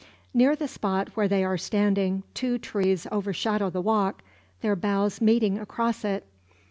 Near the spot where they are standing two trees overshadow the walk, their boughs meeting across it.